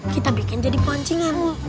kita bikin jadi pancingan